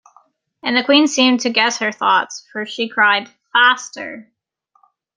And the Queen seemed to guess her thoughts, for she cried, ‘Faster!’